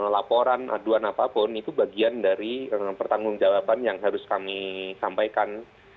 laporan aduan apapun itu bagian dari pertanggung jawaban yang harus kami sampaikan